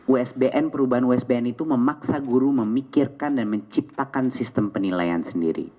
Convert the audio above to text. usbn perubahan usbn itu memaksa guru memikirkan dan menciptakan sistem penilaian sendiri